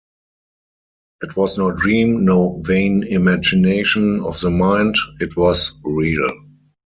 It was no dream, no vain imagination of the mind-it was real.